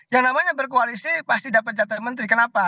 yang namanya berkoalisi pasti dapat catatan menteri kenapa